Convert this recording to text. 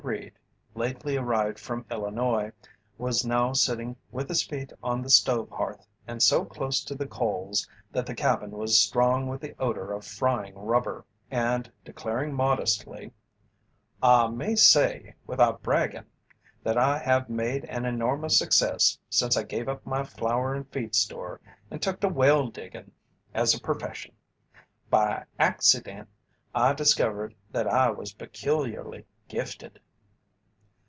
Reed, lately arrived from Illinois, was now sitting with his feet on the stove hearth and so close to the coals that the cabin was strong with the odour of frying rubber, and declaring modestly: "I may say, without braggin', that I have made an enormous success since I gave up my flour and feed store and took to well diggin' as a perfession. By acci dent I discovered that I was peculiarly gifted."